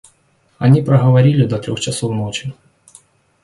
Они проговорили до трех часов ночи.